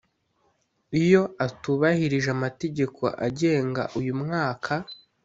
Iyo atubahirije amategeko agenga uyu mwaka